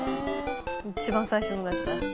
一番最初のやつだ。